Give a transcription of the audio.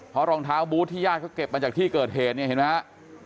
เพราะรองเท้าบูธที่ญาติเขาเก็บมาจากที่เกิดเหตุเนี่ยเห็นไหมครับ